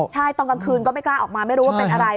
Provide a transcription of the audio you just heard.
ใช่ตอนกลางคืนก็ไม่กล้าออกมาไม่รู้ว่าเป็นอะไร